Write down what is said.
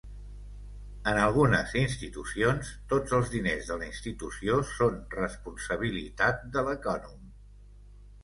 En algunes institucions, tots els diners de la institució són responsabilitat de l"ecònom.